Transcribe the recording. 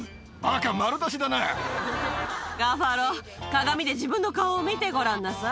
カファロ、鏡で自分の顔を見てごらんなさい。